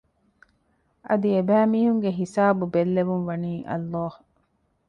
އަދި އެބައިމީހުންގެ ހިސާބު ބެއްލެވުން ވަނީ ﷲ